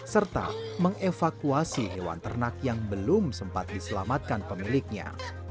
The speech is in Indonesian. serta mengevakuasi hewan ternak yang belum sempat diselamatkan pemiliknya